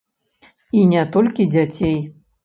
І не толькі дзяцей.